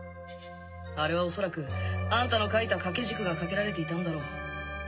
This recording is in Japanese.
あれは恐らくあんたの描いた掛け軸が掛けられていたんだろう。